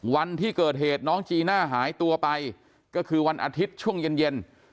วันที่เกิดเหตุน้องจีน่าหายตัวไปก็คือวันอาทิตย์ช่วงเย็น